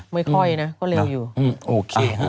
ไม่ค่อยนะก็เร็วอยู่